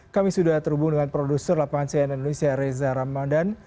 kami sudah terhubung dengan produser lapangan cnn indonesia reza ramadan